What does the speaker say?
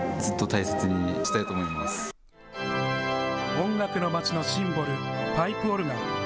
音楽のまちのシンボル、パイプオルガン。